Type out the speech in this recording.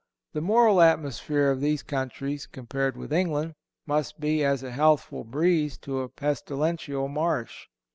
The moral atmosphere of these countries, compared with England, must be as a healthful breeze to a pestilential marsh.